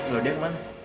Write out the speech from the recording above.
lho dia ke mana